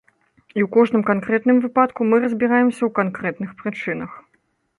І ў кожным канкрэтным выпадку мы разбіраемся ў канкрэтных прычынах.